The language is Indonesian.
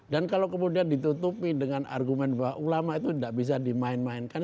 dan kalau kemudian ditutupi dengan argumen bahwa ulama itu tidak bisa dimainkan